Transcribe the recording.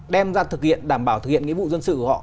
đem ra thực hiện đảm bảo thực hiện nghĩa vụ dân sự của họ